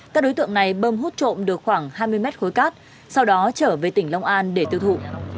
các đối tượng này bơm hút trộm được khoảng hai mươi mét khối cát sau đó trở về tỉnh long an để tiêu thụ